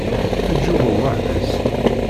Eǧǧ Yuba weḥd-s.